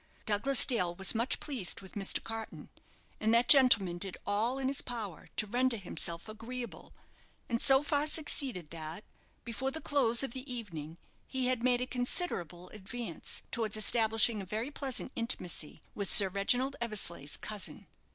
Douglas Dale was much pleased with Mr. Carton; and that gentleman did all in his power to render himself agreeable, and so far succeeded that, before the close of the evening, he had made a considerable advance towards establishing a very pleasant intimacy with Sir Reginald Eversleigh's cousin.